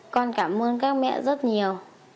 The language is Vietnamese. con cảm ơn các mẹ rất nhiều